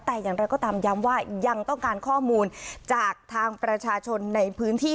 แต่อย่างไรก็ตามย้ำว่ายังต้องการข้อมูลจากทางประชาชนในพื้นที่